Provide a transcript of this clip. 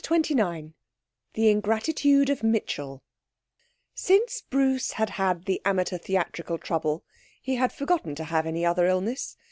CHAPTER XXIX The Ingratitude of Mitchell Since Bruce had had the amateur theatrical trouble, he had forgotten to have any other illness.